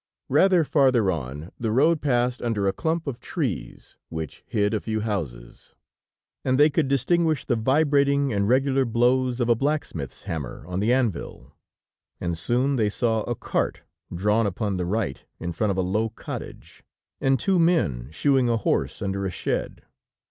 Rather farther on, the road passed under a clump of trees, which hid a few houses, and they could distinguish the vibrating and regular blows of a blacksmith's hammer on the anvil; and soon they saw a cart drawn upon the right in front of a low cottage, and two men shoeing a horse under a shed.